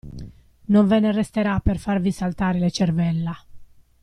Non ve ne resterà per farvi saltare le cervella.